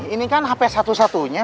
ini kan hp satu satunya